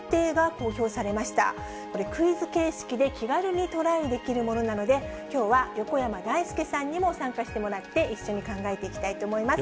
これ、クイズ形式で気軽にトライできるものなので、きょうは横山だいすけさんにも参加してもらって、一緒に考えていきたいと思います。